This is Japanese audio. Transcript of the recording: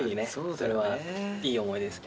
それはいい思い出ですね。